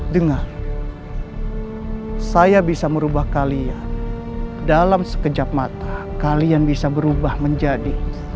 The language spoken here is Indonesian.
dengar saya bisa merubah kalian dalam sekejap mata kalian bisa berubah menjadi